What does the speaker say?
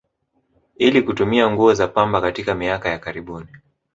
Ili kutumia nguo za pamba katika miaka ya karibuni